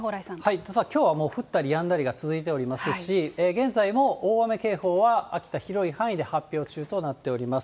ただきょうはもう降ったりやんだりが続いておりますし、現在も大雨警報は秋田、広い範囲で発表中となっております。